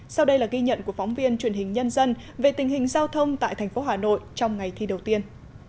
sau đây là ghi nhận của phóng viên truyền hình nhân dân về tình hình giao thông tại thành phố hà nội trong ngày thi đầu tiên